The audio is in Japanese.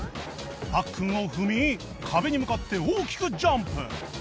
パックンを踏み壁に向かって大きくジャンプ